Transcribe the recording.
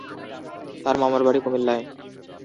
তার মামার বাড়ি কুমিল্লায়।